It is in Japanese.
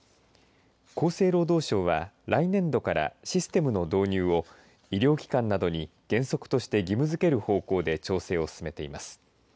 厚生労働省は来年度からシステムの導入を医療機関などに原則として義務づける方向で調整を進めています。